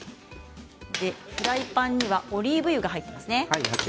フライパンにはオリーブ油が入っていますね。